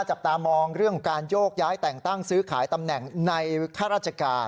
จับตามองเรื่องของการโยกย้ายแต่งตั้งซื้อขายตำแหน่งในข้าราชการ